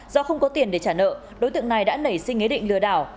do không có tiền để trả nợ đối tượng này đã nảy sinh ý định lừa đảo